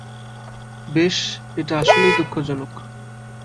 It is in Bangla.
বেশ, এটা আসলেই দুঃখজনক।